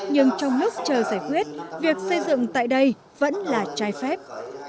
nhưng trong lúc chờ giải quyết việc xây dựng tại đây vẫn là trái phép